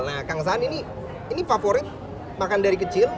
nah kang saan ini favorit makan dari kecil